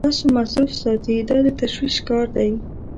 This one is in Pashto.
تاسو مصروف ساتي دا د تشویش کار دی.